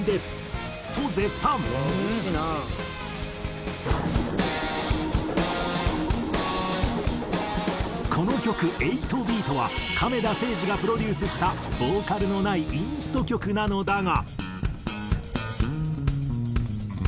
「うれしいな」この曲『８ｂｅａｔ』は亀田誠治がプロデュースしたボーカルのないインスト曲なのだが。